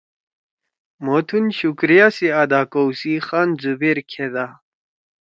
مھو تُھن شکریہ سی ادا کؤ سی خان زبیر کھیدا